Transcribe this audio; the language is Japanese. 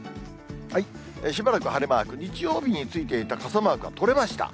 しばらく晴れマーク、日曜日についていた傘マークは取れました。